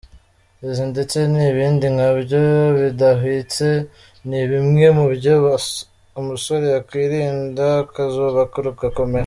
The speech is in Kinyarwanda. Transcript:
Ibi ndetse n’ibindi nkabyo bidahwitse ni bimwe mu byo umusore yakwirinda akazubaka rugakomera.